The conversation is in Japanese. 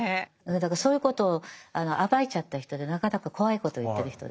だからそういうことを暴いちゃった人でなかなか怖いことを言ってる人です。